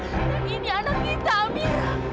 dan ini anak kita amira